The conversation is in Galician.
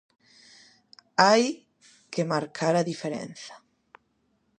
Hai que marcar a diferenza.